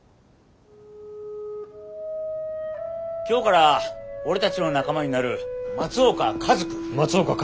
今日から俺たちの仲間になる松岡一くん。